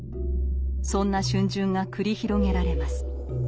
そんな逡巡が繰り広げられます。